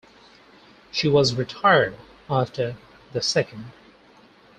She was retired after the second.